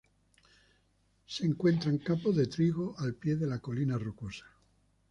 Se encuentran campos de trigo, al pie de la colina rocosa.